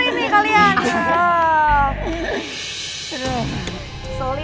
eh tapi kalaresnya gak udah mati